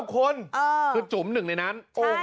๙คนคือจุ่มหนึ่งในนั้น